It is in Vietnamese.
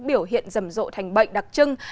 biểu hiện dầm rộ thành bệnh đặc trưng